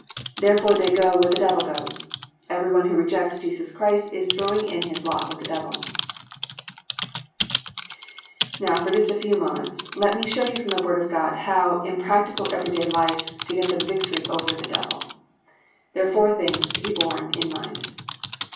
Therefore they go where the Devil goes. Every one who rejects Jesus Christ is throwing in his lot with the Devil. VI. HOW TO GET VICTORY OVER THE DEVIL Now just for a few moments let me show you from the Word of God, how, in practical every day life, to get the victory over the Devil. There are four things to be borne in mind.